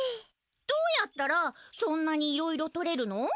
どうやったらそんなにいろいろ捕れるの？